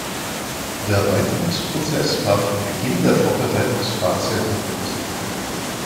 Der Erweiterungsprozess war vom Beginn der Vorbereitungsphase an positiv.